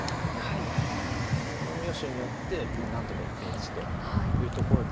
この妙手によって何とか１手勝ちというところで。